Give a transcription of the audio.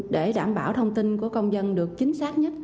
để đảm bảo thông tin của công dân được chính xác nhất